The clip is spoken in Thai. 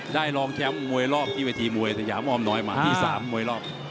รองแชมป์มวยรอบที่เวทีมวยสยามออมน้อยมาที่๓มวยรอบ